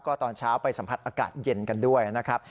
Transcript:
ก็ตอนเช้าไปสัมผัสอากาศเย็นกันด้วยนะครับ